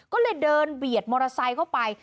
ก็เลยเดินเบียดมอเตอร์ไซค์เข้าไป